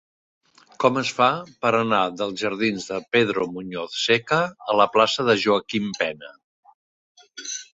Com es fa per anar dels jardins de Pedro Muñoz Seca a la plaça de Joaquim Pena?